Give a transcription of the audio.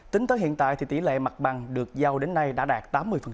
tính tới hiện tại thì tỷ lệ mặt bằng được giao đến nay đã đạt tám mươi